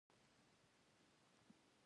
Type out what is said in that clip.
غریب له ژړا نه دعا زېږوي